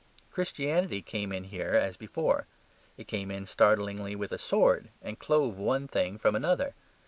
Christianity came in here as before. It came in startlingly with a sword, and clove one thing from another.